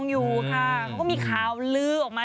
อยู่ข้าวลื้อออกมา